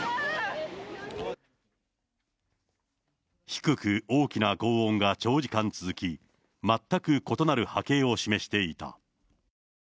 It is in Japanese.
低く大きなごう音が長時間続き、全く異なる波形を示していた。